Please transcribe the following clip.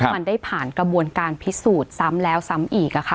มันได้ผ่านกระบวนการพิสูจน์ซ้ำแล้วซ้ำอีกค่ะ